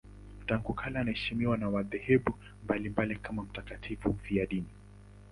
Tangu kale anaheshimiwa na madhehebu mbalimbali kama mtakatifu mfiadini.